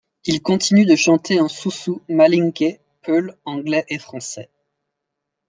Il continue de chanter en soussou, malinké, peulh, anglais et français.